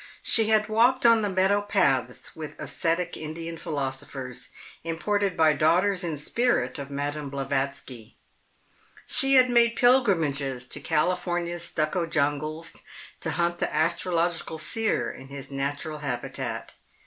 She had walked on the meadow paths with ascetic Indian philosophers imported by daughters in spirit of Madame Blavatsky. She had made pilgrimages to California's stucco jungles to hunt the astrological seer in his natural habitat.